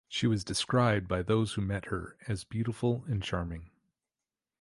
She was described by those who met her as beautiful and charming.